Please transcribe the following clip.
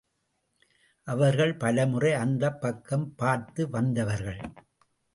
அவர்கள் பலமுறை அந்தப் பக்கம் பார்த்து வந்தவர்கள்.